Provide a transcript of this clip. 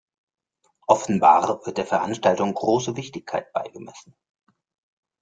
Offenbar wird der Veranstaltung große Wichtigkeit beigemessen.